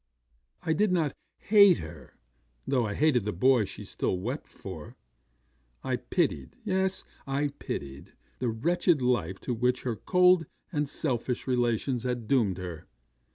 I did not hate her, though I hated the boy she still wept for. I pitied yes, I pitied the wretched life to which her cold and selfish relations had doomed her.